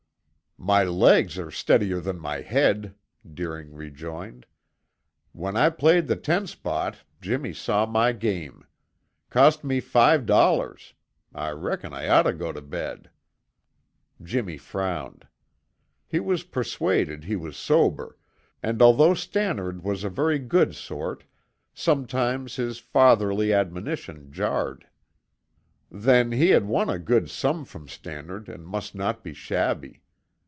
"My legs are steadier than my head," Deering rejoined. "When I played the ten spot Jimmy saw my game. Cost me five dollars. I reckon I ought to go to bed!" Jimmy frowned. He was persuaded he was sober, and although Stannard was a very good sort, sometimes his fatherly admonition jarred. Then he had won a good sum from Stannard and must not be shabby.